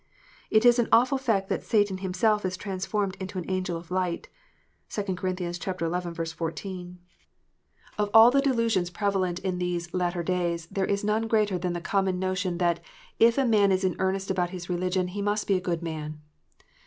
It is an awful fact that " Satan himself is transformed into an angel of light." (2 Cor. xi. 14.) Of all PHARISEES AND SADDUCEES. 345 the delusions prevalent in these latter days, there is none greater than the common notion that " if a man is in earnest about his religion he must be a good man